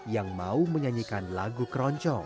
yang mau menyanyikan lagu keroncong